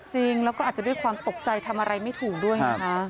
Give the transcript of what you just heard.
จริงแล้วก็อาจจะด้วยความตกใจทำอะไรไม่ถูกด้วยนะคะ